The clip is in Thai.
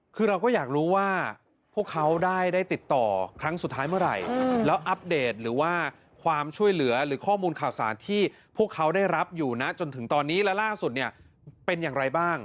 คือเราก็อยากรู้ว่าพวกเขาได้ติดต่อครั้งสุดท้ายเมื่อไหร่แล้วอัปเดตหรือว่าความช่วยเหลือหรือข้อมูลข่าวสารที่พวกเขาได้รับอยู่นะจนถึงตอนนี้และล่าสุดเนี่ยเป็นอย่างไรบ้าง